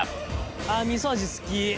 あみそ味好き。